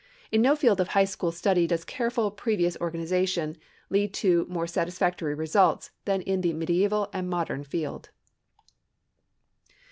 In no field of high school study does careful previous organization lead to more satisfactory results than in the medieval and modern field.